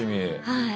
はい。